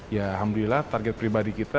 ya alhamdulillah target pribadi kita